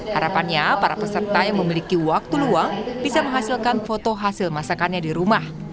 harapannya para peserta yang memiliki waktu luang bisa menghasilkan foto hasil masakannya di rumah